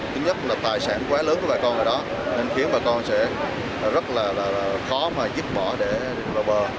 thứ nhất là tài sản quá lớn của bà con ở đó nên khiến bà con sẽ rất là khó mà giúp bỏ để vào bờ